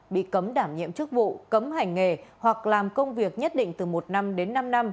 bị cấm đảm nhiệm chức vụ cấm hành nghề hoặc làm công việc nhất định từ một năm đến năm năm